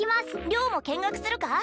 良も見学するか？